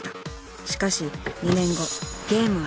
［しかし２年後ゲームは再開］